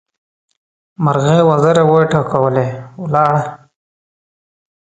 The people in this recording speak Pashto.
مرغۍ وزرې وټکولې؛ ولاړه.